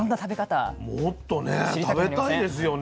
もっとね食べたいですよね。